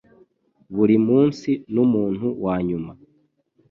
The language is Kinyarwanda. buri munsi n'umuntu wa nyuma